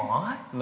◆何？